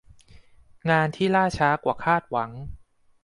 งานที่ล่าช้ากว่าคาดหวัง